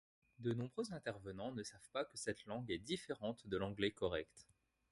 De nombreux intervenants ne savent pas que cette langue est différente de l'anglais correct.